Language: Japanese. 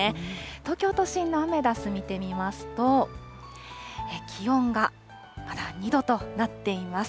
東京都心のアメダス見てみますと、気温がまだ２度となっています。